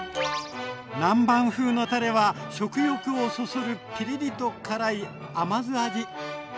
南蛮風のたれは食欲をそそるピリリと辛い甘酢味。